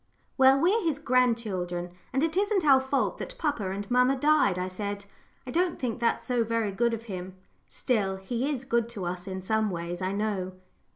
"Well, we're his grandchildren, and it isn't our fault that papa and mamma died," I said. "I don't think that's so very good of him. Still, he is good to us in some ways, I know."